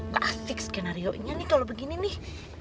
kasik skenario ini kalau begini nih